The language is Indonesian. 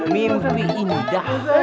mimpi ini dah